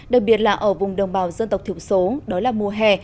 đặc biệt là ở vùng đồng bào dân tộc thiểu số đó là mùa hè